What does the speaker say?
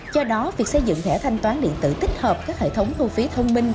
do đó việc xây dựng thẻ thanh toán điện tử tích hợp các hệ thống thu phí thông minh